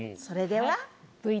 それでは。